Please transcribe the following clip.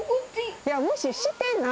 いや、無視してない。